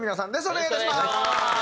お願いいたします。